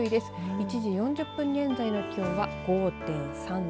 １時４０分現在の気温は５．３度。